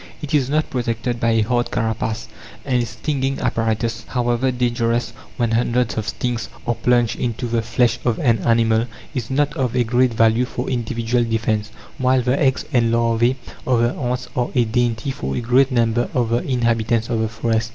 It is not protected by a hard carapace, and its stinging apparatus, however dangerous when hundreds of stings are plunged into the flesh of an animal, is not of a great value for individual defence; while the eggs and larvae of the ants are a dainty for a great number of the inhabitants of the forests.